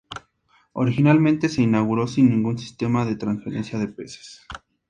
Originalmente se inauguró sin ningún sistema de transferencia de peces.